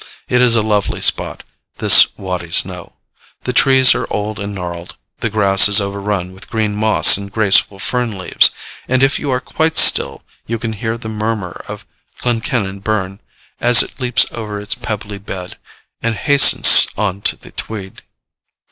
It is a lovely spot, this Wattie's Knowe. The trees are old and gnarled; the grass is overrun with green moss and graceful fern leaves, and if you are quite still, you can hear the murmur of Glenkinnon Burn, as it leaps over its pebbly bed, and hastens on to the Tweed.